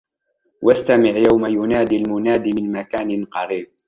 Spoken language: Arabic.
وَاسْتَمِعْ يَوْمَ يُنَادِ الْمُنَادِ مِنْ مَكَانٍ قَرِيبٍ